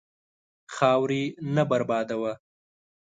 خاورې نه بربادوه.